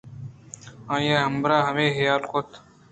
آئی ءِ ہمبراہ ءَ ہمے حیال کُت